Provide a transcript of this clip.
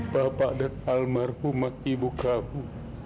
bapak dan almarhumah ibu kamu